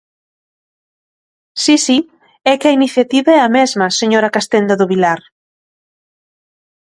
Si, si, é que a iniciativa é a mesma, señora Castenda do Vilar.